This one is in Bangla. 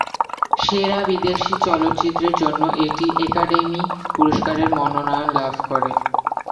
সেরা বিদেশি চলচ্চিত্রের জন্য এটি একাডেমি পুরস্কারের মনোনয়ন লাভ করে।